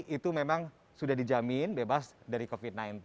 itu memang sudah dijamin bebas dari covid sembilan belas